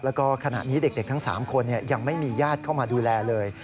แล้วก็ขณะนี้เด็กทั้ง๓คนยังไม่มีญาติเข้ามาดูแลเลย